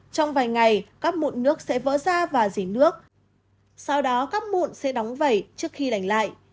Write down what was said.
trong vài ngày các mụn nước sẽ vỡ ra và dỉ nước sau đó các mụn sẽ đóng vẩy trước khi đành lại